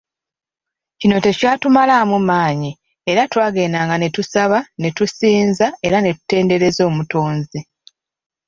Kino tekyatumalaamu maanyi era twagendanga ne tusaba ne tusinza era ne tutendereza Omutonzi.